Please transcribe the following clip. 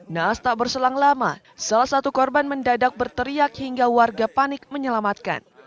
naas tak berselang lama salah satu korban mendadak berteriak hingga warga panik menyelamatkan